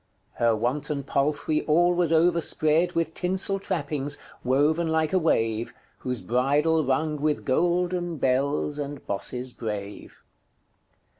Her wanton palfrey all was overspred With tinsell trappings, woven like a wave, Whose bridle rung with golden bels and bosses brave."